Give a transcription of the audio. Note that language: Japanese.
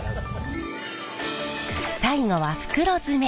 最後は袋詰め。